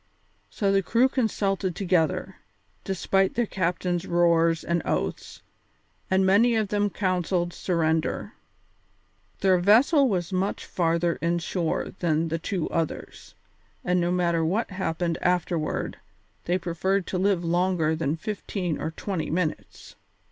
So the crew consulted together, despite their captain's roars and oaths, and many of them counselled surrender. Their vessel was much farther inshore than the two others, and no matter what happened afterward they preferred to live longer than fifteen or twenty minutes.